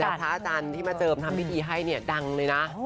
แต่พระอาจารย์ที่มาเจิมทำพิธีให้เนี่ยดังเลยนะ